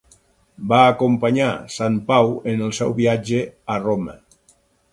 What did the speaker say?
Va acompanyar Sant Pau en el seu viatge a Roma.